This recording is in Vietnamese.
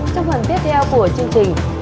trong phần video của chương trình